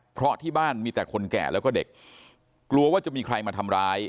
เพราะที่บ้านมีแต่คนแก่แล้วก็เด็กกลัวว่าจะมีใครมาทำร้าย